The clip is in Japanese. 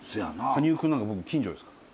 羽生君なんか僕近所ですから。